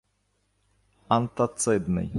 антацидний